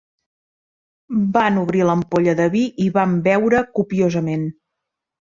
Van obrir l'ampolla de vi i van beure copiosament.